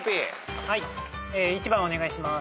はい１番お願いします。